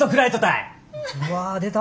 うわ出た。